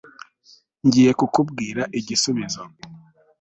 ngiye kukubwira igisubizo